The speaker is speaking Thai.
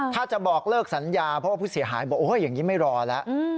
ถ้าจะบอกเลิกสัญญาเพราะว่าผู้เสียหายบอกอย่างนี้ไม่รอแล้ว